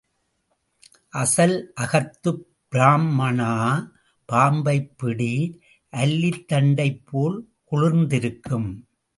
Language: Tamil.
அசல் அகத்துப் பிராம்மணா பாம்பைப் பிடி, அல்லித் தண்டைப் போல் குளிர்ந்திருக்கும்.